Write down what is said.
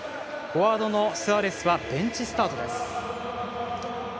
フォワードのスアレスはベンチスタートです。